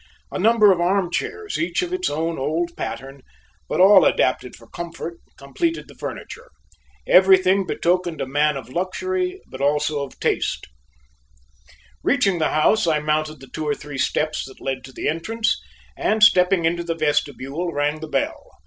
A number of armchairs, each of its own old pattern, but all adapted for comfort, completed the furniture. Everything betokened a man of luxury but also a man of taste. Reaching the house, I mounted the two or three steps that led to the entrance, and stepping into the vestibule, rang the bell.